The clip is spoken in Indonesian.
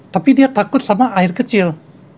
tapi dia takut sama air kecil